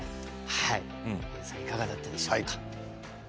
ゆゆさんいかがだったでしょうか？